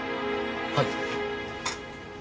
はい。